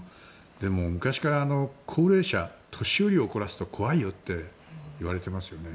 でも、昔から高齢者年寄りを怒らせると怖いよといわれてますよね。